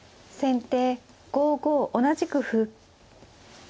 先手５五同じく歩。